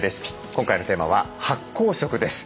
今回のテーマは「発酵食」です。